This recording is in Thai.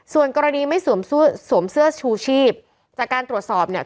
ส่วนกรณีไม่สวมสวมเสื้อชูชีพจากการตรวจสอบเนี่ย